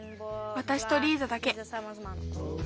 わたしとリーザだけ。